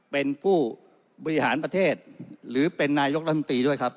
เป็นผู้บริหารประเทศหรือเป็นนายกรัฐมนตรีด้วยครับ